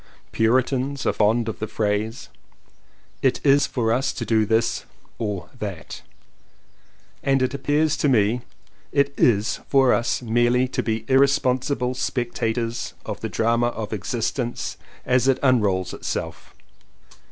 Puritans are fond of the phrase "it is for us to do this or that" and it appears to me that it is for us merely to be irresponsible spectators of the drama of existence as it unrolls itself.